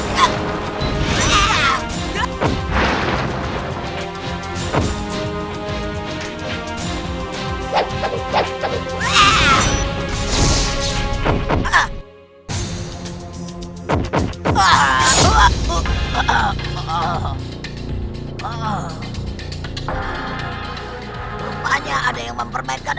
sebuah kaya kegunaan